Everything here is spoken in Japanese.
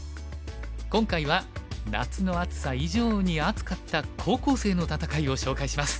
今回は夏の暑さ以上に熱かった高校生の戦いを紹介します。